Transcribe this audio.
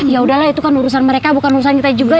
ya udahlah itu kan urusan mereka bukan urusan kita juga